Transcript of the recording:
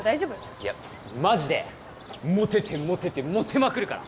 いやマジでモテてモテてモテまくるから！